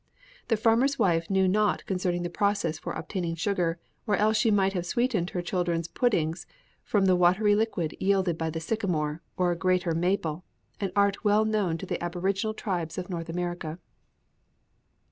The farmer's wife knew naught concerning the process for obtaining sugar, or else she might have sweetened her children's puddings from the watery liquid yielded by the sycamore, or greater maple an art well known to the aboriginal tribes of North America.'"